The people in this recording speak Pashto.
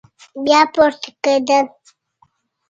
بيا پورته کېده.